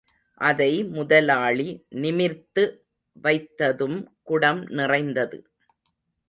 அதை முதலாளி நிமிர்த்து வைத்ததும் குடம் நிறைந்தது.